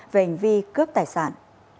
về hành vi cướp tài sản